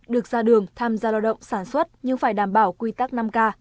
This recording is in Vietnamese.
được ra đường tham gia lao động sản xuất nhưng phải đảm bảo quy tắc năm k